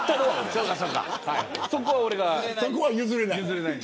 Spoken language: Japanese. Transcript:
そこは譲れない。